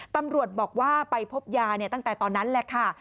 ตำรวจบอกว่าไปพบยาตั้งแต่ตอนนั้นแหละค่ะ